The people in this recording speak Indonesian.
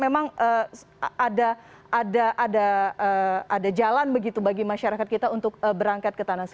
memang nomor angka angka khusus bagi masyarakat kita ingin umroh ataupun haji kita berharap ada